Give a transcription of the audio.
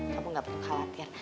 kamu gak perlu khawatir